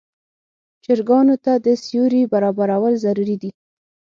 چرګانو ته د سیوري برابرول ضروري دي.